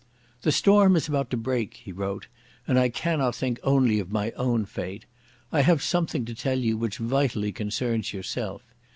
"The storm is about to break," he wrote, "and I cannot think only of my own fate. I have something to tell you which vitally concerns yourself.